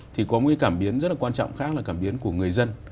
thì có một cái cảm biến rất là quan trọng khác là cảm biến của người dân